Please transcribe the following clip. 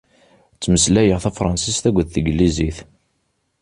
Ttmeslayeɣ tafransist akked teglizit.